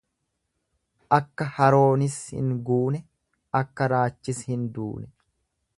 Akka haroonis hin guune akka raachis hin duune.